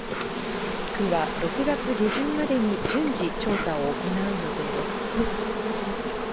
区は６月下旬までに順次、調査を行う予定です。